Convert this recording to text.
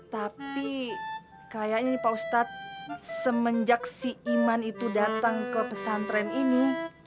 tapi kayaknya pak ustadz semenjak si iman itu datang ke pesantren ini